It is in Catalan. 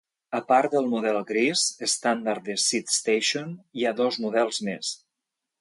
A part del model gris estàndard de SidStation, hi ha dos models més.